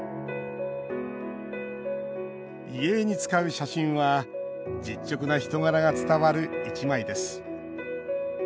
遺影に使う写真は実直な人柄が伝わる一枚です。